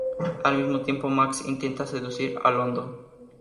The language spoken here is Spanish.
Al mismo tiempo, Max intenta seducir a London.